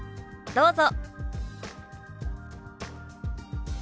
どうぞ。